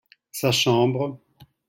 sa chambre.